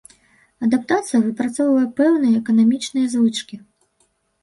Адаптацыя выпрацоўвае пэўныя эканамічныя звычкі.